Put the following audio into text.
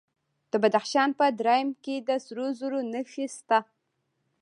د بدخشان په درایم کې د سرو زرو نښې شته.